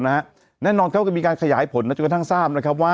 แน่นอนเกิดมีการขยายผลทางซ่าม